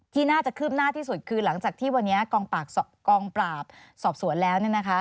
ที่น่าจะคืบหน้าที่สุดคือหลังจากที่วันนี้กองปราบสอบสวนแล้ว